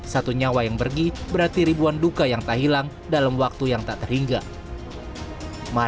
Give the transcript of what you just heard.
satu nyawa yang pergi berarti ribuan duka yang tak hilang dalam waktu yang tak terhingga